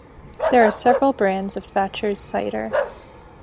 There are several brands of Thatchers cider.